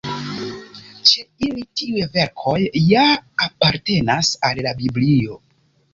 Ĉe ili tiuj verkoj ja apartenas al la Biblio.